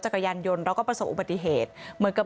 จักรยานยนต์แล้วก็ประสบอุปุติเทศเหมือนกับ